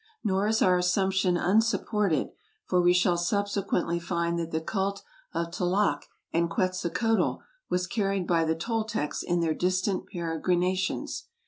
Nor is our assumption un supported, for we shall subsequently find that the cult of Tlaloc and Quetzalcoatl was carried by the Toltecs in their distant peregrinations.